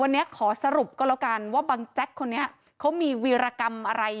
วันนี้ขอสรุปก็แล้วกันว่าบังแจ๊กคนนี้เขามีวีรกรรมอะไร